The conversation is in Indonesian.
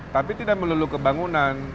tapi tidak melulu ke bangunan